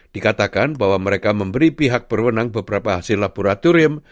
dikatakan bahwa mereka memberi pihak berwenang beberapa hasil laboratorium